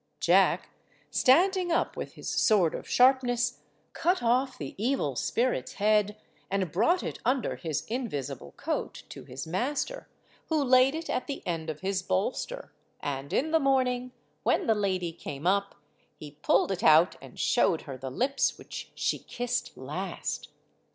Jack, standing up with his sword of sharpness, cut off the evil spirit's head, and brought it under his invisible coat to his master, who laid it at the end of his bolster, and in the morning, when the lady came up, he pulled it out and showed her the lips which she kissed last.